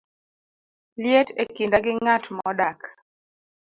liet e kinda gi ng'at modak